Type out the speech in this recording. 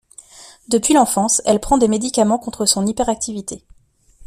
Depuis l'enfance, elle prend des médicaments contre son hyperactivité.